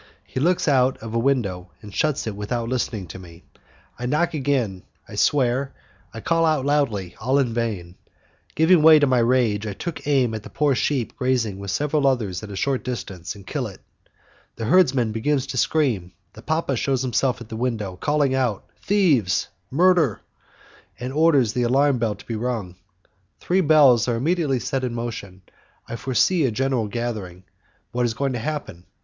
He looks out of a window and shuts it without listening to me, I knock again, I swear, I call out loudly, all in vain, Giving way to my rage, I take aim at a poor sheep grazing with several others at a short distance, and kill it. The herdsman begins to scream, the papa shows himself at the window, calling out, "Thieves! Murder!" and orders the alarm bell to be rung. Three bells are immediately set in motion, I foresee a general gathering: what is going to happen?